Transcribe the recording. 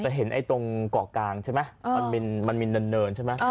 แต่เห็นไอ้ตรงเกาะกลางใช่ไหมมันมีเนินใช่ไหม